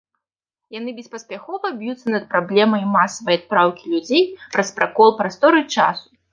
Яны беспаспяхова б'юцца над праблемай масавай адпраўкі людзей праз пракол прасторы-часу.